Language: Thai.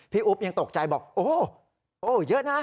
อุ๊บยังตกใจบอกโอ้เยอะนะ